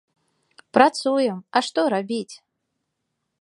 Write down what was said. Працуем, а што рабіць?